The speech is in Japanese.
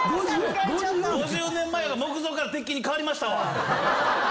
５０年前から木造から鉄筋に変わりましたわ。